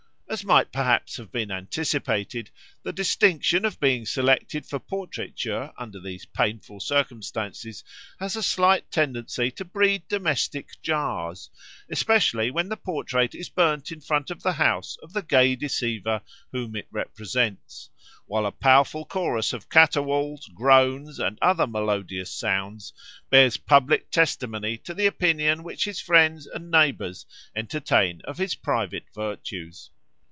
As might perhaps have been anticipated, the distinction of being selected for portraiture under these painful circumstances has a slight tendency to breed domestic jars, especially when the portrait is burnt in front of the house of the gay deceiver whom it represents, while a powerful chorus of caterwauls, groans, and other melodious sounds bears public testimony to the opinion which his friends and neighbours entertain of his private virtues.